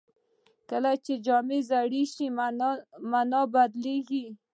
کله چې جامې زاړه شي، مانا بدلېږي.